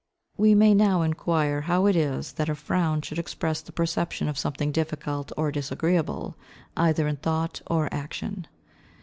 We may now inquire how it is that a frown should express the perception of something difficult or disagreeable, either in thought or action.